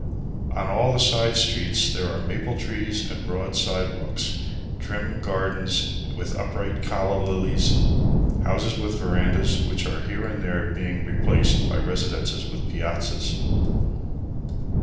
On all the side streets there are maple trees and broad sidewalks, trim gardens with upright calla lilies, houses with verandahs, which are here and there being replaced by residences with piazzas.